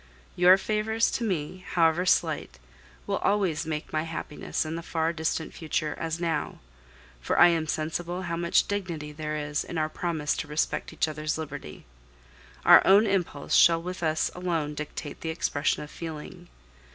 Your favors to me, however slight, will always make my happiness in the far distant future as now; for I am sensible how much dignity there is in our promise to respect each other's liberty. Our own impulse shall with us alone dictate the expression of feeling.